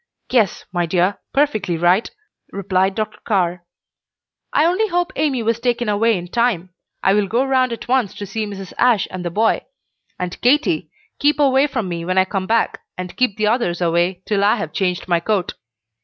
"Yes, my dear, perfectly right," replied Dr. Carr. "I only hope Amy was taken away in time. I will go round at once to see Mrs. Ashe and the boy; and, Katy, keep away from me when I come back, and keep the others away, till I have changed my coat."